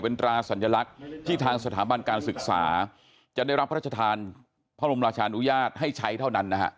เป็นตราสัญลักษณ์ที่ทางสถาบันการศึกษาจะได้รับพระราชทานพระบรมราชานุญาตให้ใช้เท่านั้นนะฮะ